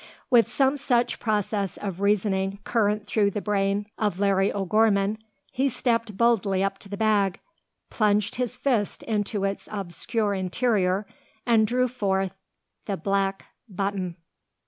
With some such process of reasoning current through the brain of Larry O'Gorman, he stepped boldly up to the bag; plunged his fist into its obscure interior; and drew forth the black button!